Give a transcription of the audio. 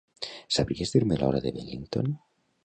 Sabries dir-me l'hora de Wellington?